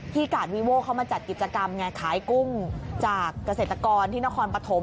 กาดวีโว้เขามาจัดกิจกรรมไงขายกุ้งจากเกษตรกรที่นครปฐม